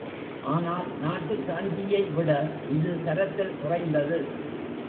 ஆனால் நாட்டுக் காஞ்சியைவிட இது தரத்தில் குறைந்தது.